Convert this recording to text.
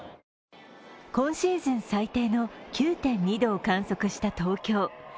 今シーズン最低の９．２度を観測した東京。